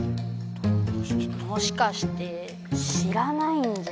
もしかして知らないんじゃ。